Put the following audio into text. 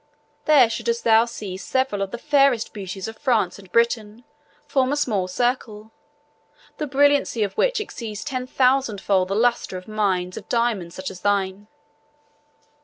There shouldst thou see several of the fairest beauties of France and Britain form a small circle, the brilliancy of which exceeds ten thousandfold the lustre of mines of diamonds such as thine."